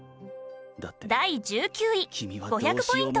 第１９位５００ポイント